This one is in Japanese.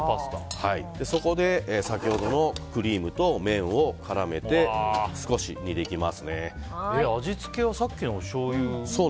そこで先ほどのクリームと麺を絡めて味付けは、さっきのしょうゆ？